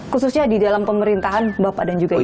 khususnya di dalam pemerintahan bapak dan juga ibu